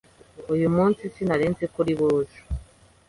uyu munsi sinarizniko uri buze